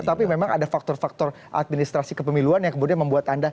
tapi memang ada faktor faktor administrasi kepemiluan yang kemudian membuat anda